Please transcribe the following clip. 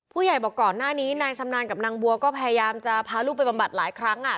บอกก่อนหน้านี้นายชำนาญกับนางบัวก็พยายามจะพาลูกไปบำบัดหลายครั้ง